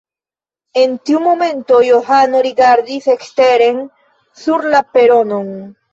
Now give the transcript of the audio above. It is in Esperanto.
En tiu momento Johano rigardis eksteren sur la peronon.